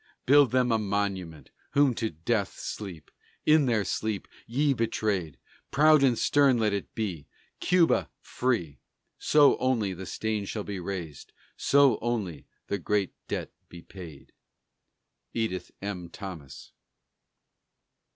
Build them a monument whom to death sleep, in their sleep, ye betrayed! Proud and stern let it be Cuba free! So, only, the stain shall be razed so, only, the great debt be paid! EDITH M. THOMAS.